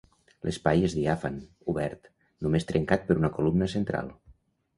L’espai és diàfan, obert, només trencat per una columna central.